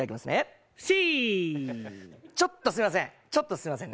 ちょっとすいませんね、